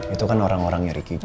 itu kan orang orangnya ricky juga